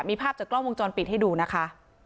มีภาพจากกล้องวงจรปิดให้ดูนะคะ